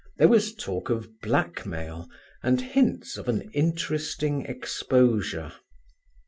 There was talk of blackmail and hints of an interesting exposure.